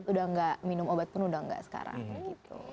udah gak minum obat pun udah nggak sekarang gitu